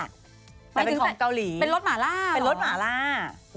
แต่เป็นของเกาหลีเป็นรสหมาลาเหรอเป็นรสหมาลา